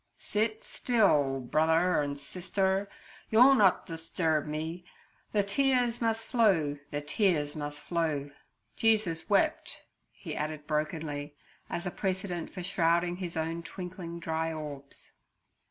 'Sit still, brother r and sister r. You'll not distur rb me. The tears must flow—the tears must flow. Jesus wept' he added brokenly, as a precedent for shrouding his own twinkling dry orbs.